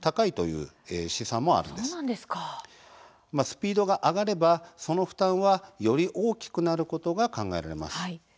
スピードが上がればその負担はより大きくなることが考えられます。